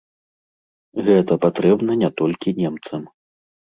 Гэта патрэбна не толькі немцам.